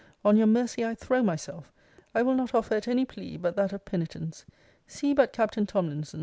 On your mercy I throw myself. I will not offer at any plea but that of penitence. See but Captain Tomlinson.